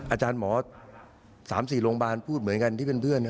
อาจารย์หมอ๓๔โรงพยาบาลพูดเหมือนกันที่เป็นเพื่อน